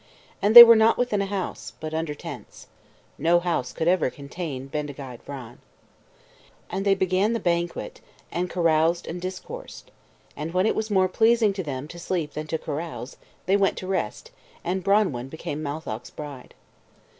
And they were not within a house, but under tents. No house could ever contain Bendigeid Vran. And they began the banquet, and caroused and discoursed. And when it was more pleasing to them to sleep than to carouse, they went to rest, and Branwen became Matholch's bride.